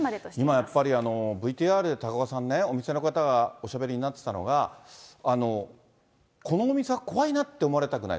やっぱりＶＴＲで、高岡さんね、お店の方がおしゃべりになってたのが、このお店は怖いなって思われたくない。